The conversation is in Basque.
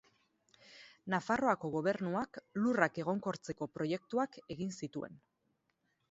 Nafarroako Gobernuak lurrak egonkortzeko proiektuak egin zituen.